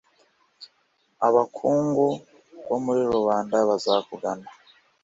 abakungu bo muri rubanda bazakugana